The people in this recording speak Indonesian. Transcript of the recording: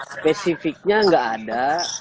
spesifiknya gak ada